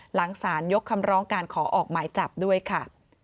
หลังสารยกคำร้องการขอออกหมายจับด้วยค่ะ